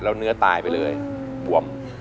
แล้วเนื้อตายไปเลยบวม